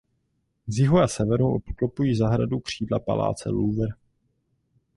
Z jihu a severu obklopují zahradu křídla paláce Louvre.